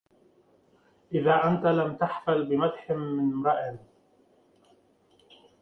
إذا أنت لم تحفل بمدح من امرئ